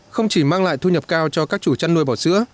không chỉ mang lại thu nhập cao cho các chủ chăn nuôi bò sữa